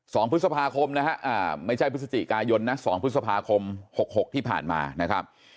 สองพฤษภาคมนะฮะอ่าไม่ใช่พฤศจิกายนนะสองพฤษภาคมหกหกที่ผ่านมานะครับ